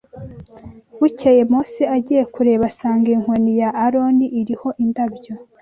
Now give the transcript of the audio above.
Bukeye Mose agiye kureba asanga inkoni ya Aroni iriho indabyo